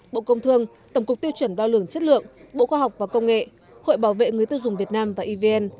bộ công thương tổng cục tiêu chuẩn đo lường chất lượng bộ khoa học và công nghệ hội bảo vệ người tiêu dùng việt nam và evn